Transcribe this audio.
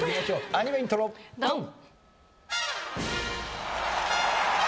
アニメイントロドン！